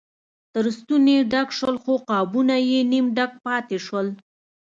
تر ستوني ډک شول خو قابونه یې نیم ډک پاتې شول.